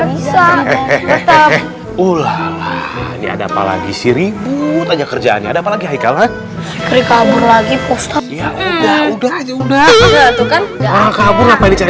ini ada apa lagi sih ribu tanya kerjaannya apalagi hai kalian lagi udah udah udah udah